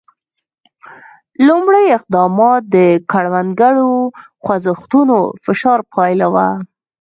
لومړي اقدامات د کروندګرو خوځښتونو فشار پایله وه.